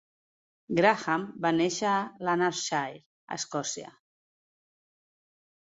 Graham va néixer a Lanarkshire, Escòcia.